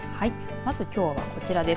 まず、きょうはこちらです。